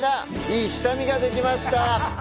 いい下見ができました！